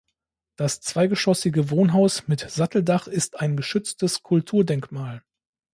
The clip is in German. Das zweigeschossige Wohnhaus mit Satteldach ist ein geschütztes Kulturdenkmal.